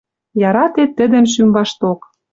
Яратет тӹдӹм шӱм вашток.